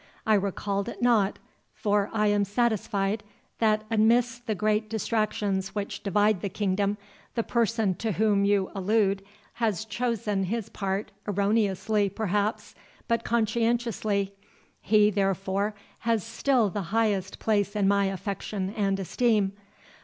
I recalled it not, for I am satisfied, that amidst the great distractions which divide the kingdom, the person to whom you allude has chosen his part, erroneously, perhaps, but conscientiously—he, therefore, has still the highest place in my affection and esteem.